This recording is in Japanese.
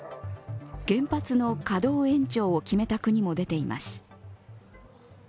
原発の稼働延長を決めた国も出ています。